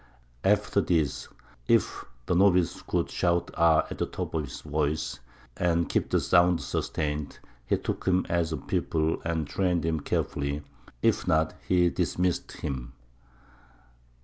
After this, if the novice could shout Ah at the top of his voice, and keep the sound sustained, he took him as a pupil and trained him carefully; if not, he dismissed him.